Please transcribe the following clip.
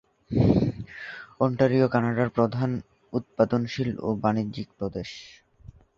Ontario কানাডার প্রধান উৎপাদনশীল ও বাণিজ্যিক প্রদেশ।